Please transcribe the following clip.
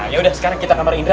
ya udah sekarang kita kamar indra